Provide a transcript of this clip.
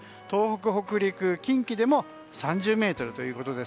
東北、北陸、近畿でも３０メートル。